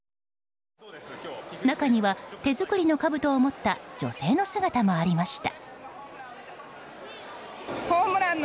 中には手作りのかぶとを持った女性の姿もありました。